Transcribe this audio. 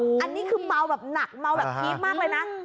อันนี้คือเมาแบบหนักเมาแบบพีคมากเลยนะ